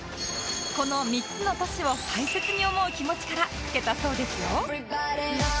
この３つの都市を大切に思う気持ちから付けたそうですよ